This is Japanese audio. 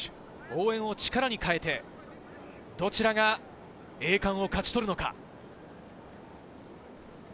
応援を力に変えて、どちらが栄冠を勝ち取るのか？